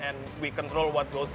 dan kita mengawal apa yang masuk